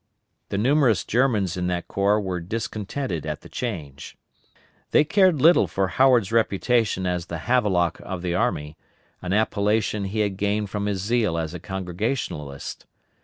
The numerous Germans in that corps were discontented at the change. They cared little for Howard's reputation as the Havelock of the army; an appellation he had gained from his zeal as a Congregationalist.